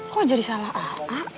kok jadi salah a'a